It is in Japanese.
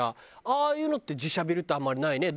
ああいうのって自社ビルってあんまりないね。